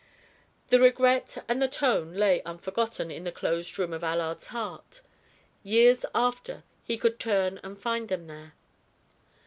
The regret and the tone lay unforgotten in the closed room of Allard's heart. Years after, he could turn and find them there.